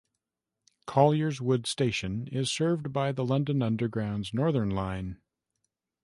Colliers Wood Station is served by the London Underground's Northern line.